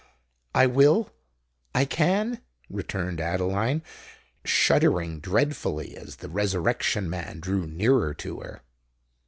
"I will—I can," returned Adeline, shuddering dreadfully as the Resurrection Man drew nearer to her.